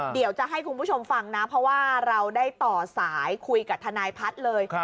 เดี๋ยวจะให้คุณผู้ชมฟังนะเพราะว่าเราได้ต่อสายคุยกับทนายพัฒน์เลย